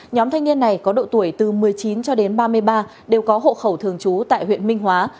nhóm thanh niên này có độ tuổi từ một mươi chín cho đến ba mươi ba đều có hộ khẩu thường trú tại huyện minh hóa